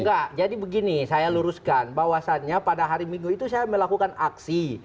enggak jadi begini saya luruskan bahwasannya pada hari minggu itu saya melakukan aksi